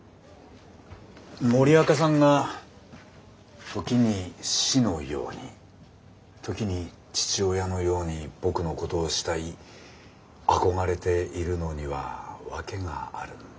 森若さんが時に師のように時に父親のように僕のことを慕い憧れているのには訳があるんです。